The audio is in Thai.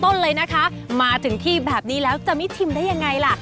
ต้นเลยนะคะมาถึงที่แบบนี้แล้วจะไม่ชิมได้ยังไงล่ะ